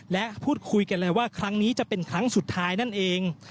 และพูดคุยกันเลยว่าครั้งนี้จะเป็นครั้งสุดท้ายนั่นเอง